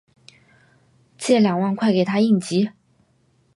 借两万块给她应急